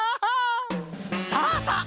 さあさあ